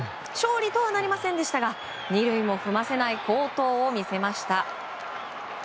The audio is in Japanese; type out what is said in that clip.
勝利とはなりませんでしたが２塁も踏ませない好投を見せました。